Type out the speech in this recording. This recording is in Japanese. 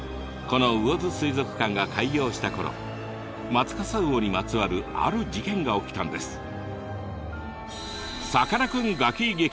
この魚津水族館が開業したころマツカサウオにまつわるある事件が起きたんです。